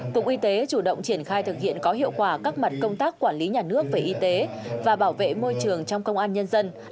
cục y tế chủ động triển khai thực hiện có hiệu quả các mặt công tác quản lý nhà nước về y tế và bảo vệ môi trường trong công an nhân dân